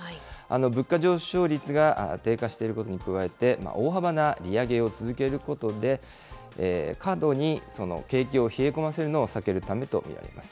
物価上昇率が低下していることに加えて、大幅な利上げを続けることで、過度に景気を冷え込ませるのを避けるためと見られます。